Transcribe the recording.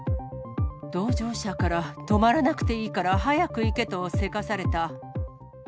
同乗者から、止まらなくていいから早く行けとせかされた。